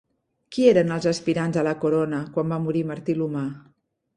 Qui eren els aspirants a la corona quan va morir Martí l'Humà?